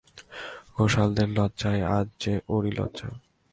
ঘোষালদের লজ্জায় আজ যে ওরই লজ্জা।